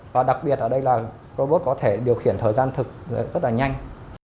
và đặc biệt ở đây là robot có thể điều khiển thời gian thực rất là nhanh